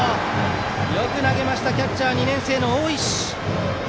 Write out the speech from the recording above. よく投げましたキャッチャー、２年生の大石！